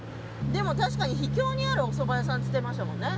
確かに秘境にあるおそば屋さんっつってましたもんね。